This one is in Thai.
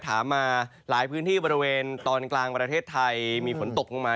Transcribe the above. ถามมาหลายพื้นที่บริเวณตอนกลางประเทศไทยมีฝนตกลงมา